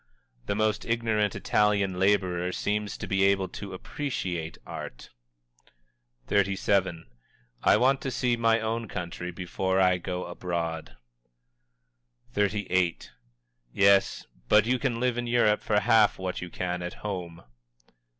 "The most ignorant Italian laborer seems to be able to appreciate art." XXXVII. "I want to see my own country before I go abroad." XXXVIII. "Yes, but you can live in Europe for half what you can at home."